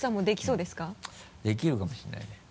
できるかもしれないね。